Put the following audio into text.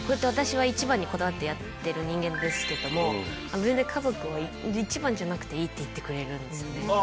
私は１番にこだわってやってる人間ですけども全然家族は「１番じゃなくていい」って言ってくれるんですよね。